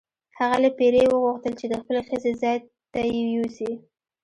هغه له پیري وغوښتل چې د خپلې ښځې ځای ته یې یوسي.